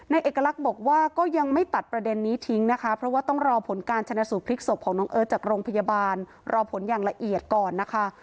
เอกลักษณ์บอกว่าก็ยังไม่ตัดประเด็นนี้ทิ้งนะคะเพราะว่าต้องรอผลการชนะสูตรพลิกศพของน้องเอิร์ทจากโรงพยาบาลรอผลอย่างละเอียดก่อนนะคะ